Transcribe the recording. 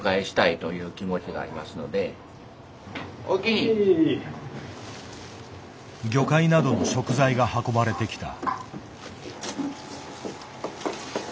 いやいや魚介などの食材が運ばれてきた。